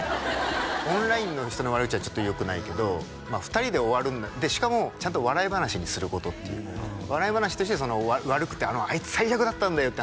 オンラインの人の悪口はちょっとよくないけどまあ２人で終わるしかもちゃんと笑い話にすることっていう笑い話として悪くてあいつ最悪だったんだよって